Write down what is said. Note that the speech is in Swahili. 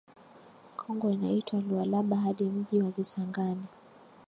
Kongo inaitwa Lualaba hadi mji wa Kisangani